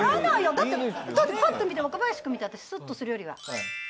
だってパッと見て若林くん見た後スッとするよりは。